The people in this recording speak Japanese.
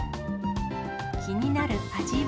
気になる味は。